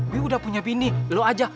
gue udah punya bini lo aja